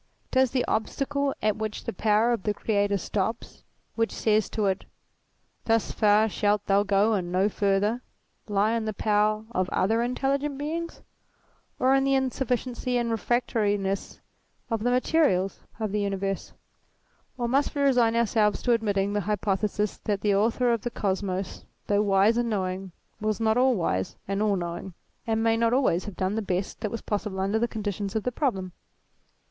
Does the obstacle at which the power of the Creator stops, which says to it : Thus far shalt thou go and no further, lie in the power of other Intelligent Beings ; or in the insufficiency and refractoriness of the materials of the universe ; or must we resign ourselves to ad mitting the hypothesis that the author of the Kosmos, though wise and knowing, was not all wise and all knowing, and may not always have done the best that was possible under the conditions of the problem